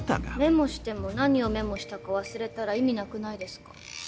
メモしても何をメモしたか忘れたら意味なくないですか？